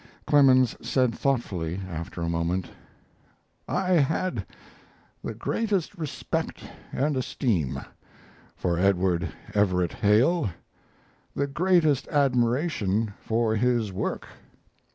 Clemens said thoughtfully, after a moment: "I had the greatest respect and esteem for Edward Everett Hale, the greatest admiration for his work.